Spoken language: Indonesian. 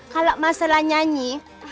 kalau masalah nyanyi